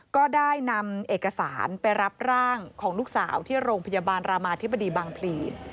ก็ได้นำเอกสารไปรับร่างของลูกสาวที่โรงพยาบาลรามาธิบดีบางพลี